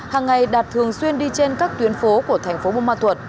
hàng ngày đạt thường xuyên đi trên các tuyến phố của thành phố buôn ma thuật